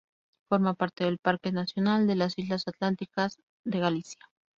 Forma parte del Parque Nacional de las Islas Atlánticas de Galicia.